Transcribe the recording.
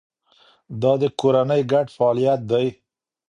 دا د کورنۍ ګډ فعالیت دی.